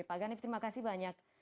pak ganif terima kasih banyak